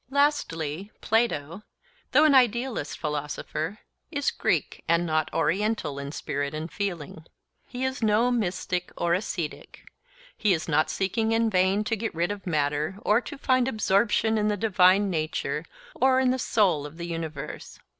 Lastly, Plato, though an idealist philosopher, is Greek and not Oriental in spirit and feeling. He is no mystic or ascetic; he is not seeking in vain to get rid of matter or to find absorption in the divine nature, or in the Soul of the universe.